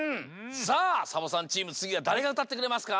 さあサボさんチームつぎはだれがうたってくれますか？